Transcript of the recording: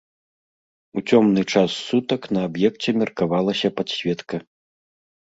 У цёмны час сутак на аб'екце меркавалася падсветка.